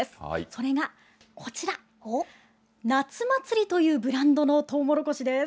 それがこちら、夏祭りというブランドのトウモロコシです。